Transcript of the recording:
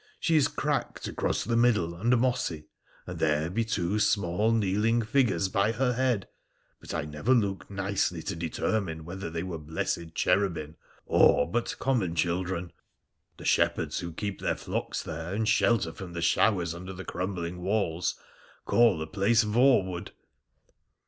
She is cracked across the middle and mossy, and there be two small kneeling figures by her head, but I never looked nicely to determine whether they were blessed cherubin or but common children. The shepherds who keep their flocks there and shelter from the showers under the crumbling walls call the place Voewood.'